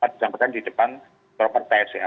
di sampaikan di jepang proper test ya